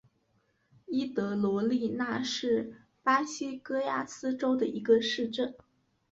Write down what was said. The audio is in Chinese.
伊德罗利纳是巴西戈亚斯州的一个市镇。